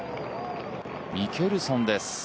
ミケルソンです。